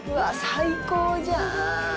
最高じゃん。